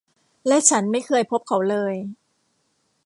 และฉันไม่เคยพบเขาเลย